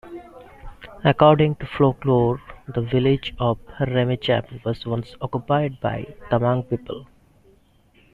According to folklore, the village of Ramechhap was once occupied by Tamang people.